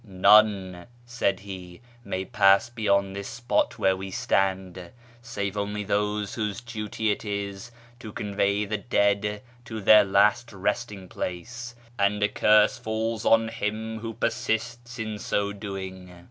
" None," said he, "may pass beyond this spot where we stand, save only those whose duty it is to convey the dead to their last resting place, and a curse falls on him who persists in so doing."